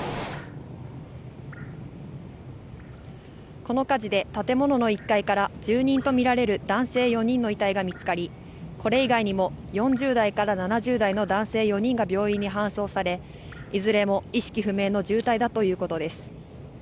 この火事で建物の１階から住人とみられる男性４人の遺体が見つかり、これ以外にも４０代から７０代の男性４人が病院に搬送されいずれも意識不明の重体だということです。